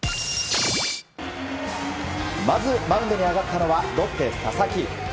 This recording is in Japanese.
まずマウンドに上がったのはロッテ、佐々木。